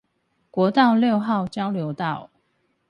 國道六號交流道